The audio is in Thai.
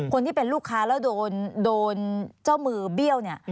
คนที่เป็นลูกค้าแล้วโดนเจ้ามือเบี้ยวเนี่ย